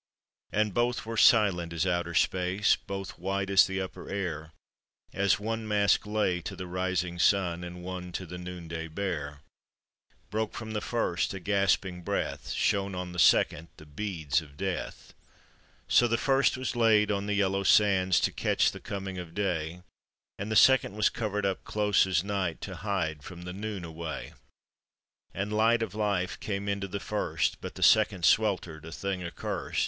And both were silent as outer space, Both white as the upper air; As one mask lay to the rising sun, And one to the noon day bare, Broke from the first a gasping breath. Shone on the second the beads of death. So the first was laid on the yellow sands To catch the coming of day, And the second was covered up close as night To hide from the noon away; And light of life came into the first, But the second sweltered, a thing accurst.